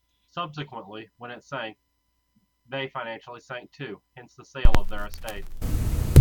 Subsequently when it sank they financially sank too, hence the sale of their estate.